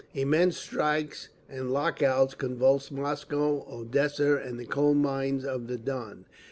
Immense strikes and lock outs convulsed Moscow, Odessa and the coal mines of the Don.